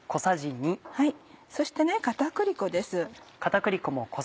そして片栗粉です。